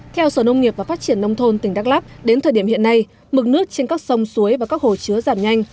theo sở nông nghiệp và phát triển nông thôn tỉnh đắk lắc đến thời điểm hiện nay mực nước trên các sông suối và các hồ chứa giảm nhanh